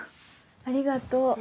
ありがとう。